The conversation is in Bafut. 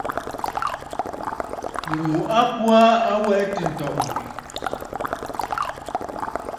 Ŋù a kwo aa tɨ̀ wɛʼɛ̀ ǹtɔ̀ʼɔ̀nə̀.